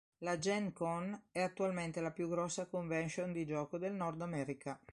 La Gen Con è attualmente la più grossa convention di gioco del Nord America.